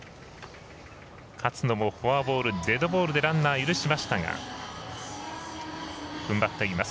勝野もフォアボールデッドボールでランナーを許しましたがふんばっています。